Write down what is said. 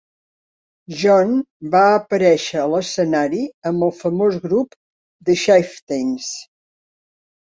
John va aparèixer a l'escenari amb el famós grup The Chieftains.